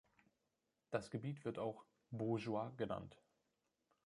Das Gebiet wird auch "Baugeois" genannt.